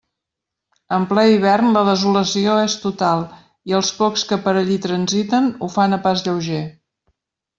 En ple hivern la desolació és total i els pocs que per allí transiten ho fan a pas lleuger.